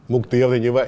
mục tiêu thì như vậy